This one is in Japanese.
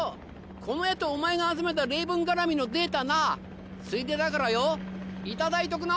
この絵とお前が集めたレイブン絡みのデータなついでだからよ頂いとくな！